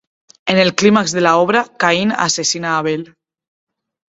En el clímax de la obra, Caín asesina a Abel.